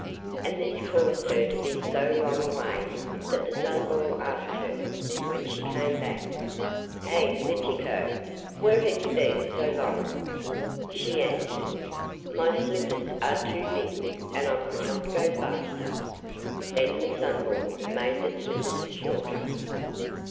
And this caused her to be so long away that the Sunball asked her, when she came back: 'Eh, Letiko, where have you been so long?' She answered: 'My slippers are too big, and I could not go faster.' Then the Sunball made the slippers shorter.